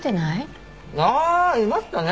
あいましたね。